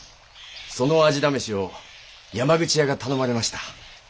その味試しを山口屋が頼まれました。